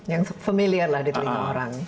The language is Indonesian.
yang familiar lah di telinga orang